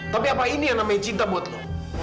depois kamu akan american ebay dulu